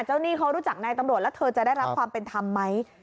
หนี้เขารู้จักนายตำรวจแล้วเธอจะได้รับความเป็นธรรมไหม